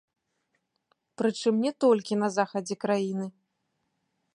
Прычым не толькі на захадзе краіны.